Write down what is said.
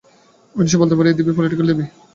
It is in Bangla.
আমি নিশ্চয় বলতে পারি, এ দেবী পোলিটিকাল দেবী।